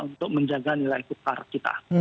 untuk menjaga nilai tukar kita